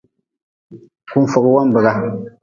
Kunfogwambga.